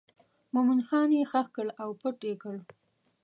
مومن خان یې ښخ کړ او پټ یې کړ.